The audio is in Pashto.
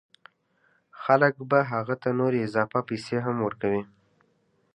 خلک به هغه ته نورې اضافه پیسې هم ورکوي